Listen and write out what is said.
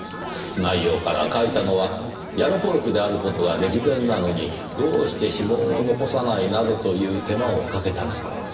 内容から書いたのはヤロポロクである事が歴然なのにどうして指紋を残さないなどという手間をかけたのか。